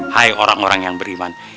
hai orang orang yang beriman